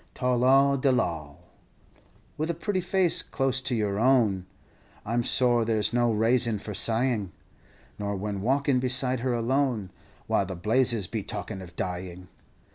Tol lol de lol, etc. "'With a pretty face close to your own, I 'm sore there's no rayson for sighing; Nor when walkin' beside her alone, Why the blazes be talking of dying!